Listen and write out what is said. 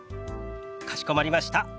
かしこまりました。